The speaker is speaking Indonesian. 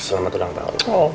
tante selamat ulang tahun